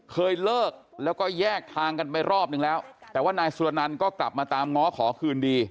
เคยเลิกแล้วก็แยกทางกันไปรอบนึงแล้วแต่ว่านายสุรนันต์ก็กลับมาตามง้อขอคืนดี